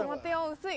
薄い。